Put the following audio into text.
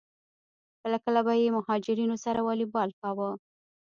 کله کله به یې مهاجرینو سره والیبال کاوه.